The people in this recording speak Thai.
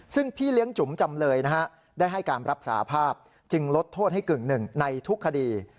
ซึ่งพี่เลี้ยงจุ๋มจำเลยนะฮะได้ให้การรับสาภาพจึงลดโทษให้กึ่งหนึ่งในทุกคดี